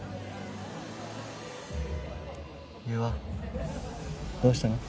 優愛どうしたの？